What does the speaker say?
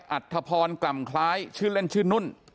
อัธพรกล่ำคล้ายชื่อเล่นชื่อนุ่น